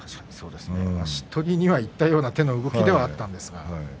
足取りにはいったような手の動きではあったんですが。